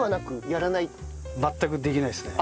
全くできないですね。